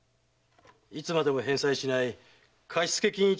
いつまでも返済しない貸付金